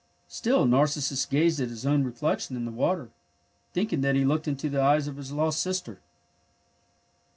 Still Narcissus gazed at his own reflection in the water, thinking that he looked into the eyes of his lost sister.